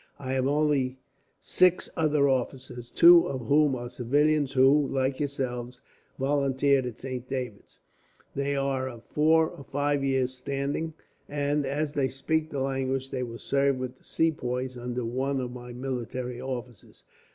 I have only six other officers, two of whom are civilians who, like yourselves, volunteered at Saint David's. They are of four or five year's standing and, as they speak the language, they will serve with the Sepoys under one of my military officers.